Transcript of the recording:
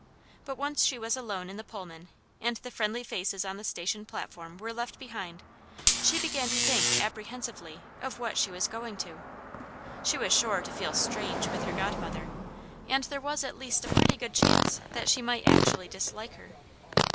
But once she was alone in the Pullman, and the friendly faces on the station platform were left behind, she began to think apprehensively of what she was going to. She was sure to feel "strange" with her godmother, and there was at least a pretty good chance that she might actually dislike her.